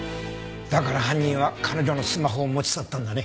だから犯人は彼女のスマホを持ち去ったんだね。